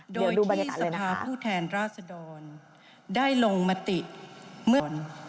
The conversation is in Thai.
โดยที่สถาผู้แทนราษฎรได้ลงมติเมื่อ